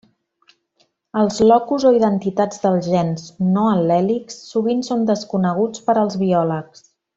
Els locus o identitats dels gens no al·lèlics sovint són desconeguts per als biòlegs.